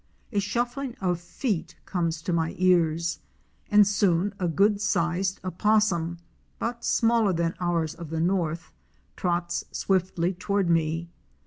A shuffling of feet comes to my ears and soon a good sized opos sum, but smaller than ours of the north, trots swiftly toward me.